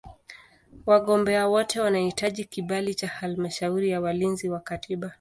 Wagombea wote wanahitaji kibali cha Halmashauri ya Walinzi wa Katiba.